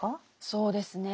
そうですね。